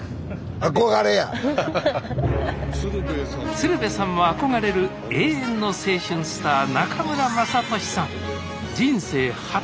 鶴瓶さんも憧れる永遠の青春スター中村雅俊さん